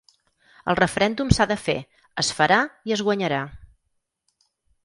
El referèndum s’ha de fer, es farà i es guanyarà.